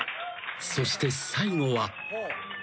［そして最後は］